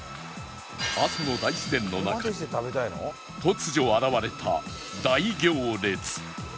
阿蘇の大自然の中に突如現れた大行列